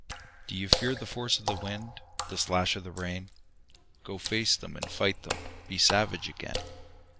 DO you fear the force of the wind, The slash of the rain? Go face them and fight them, Be savage again.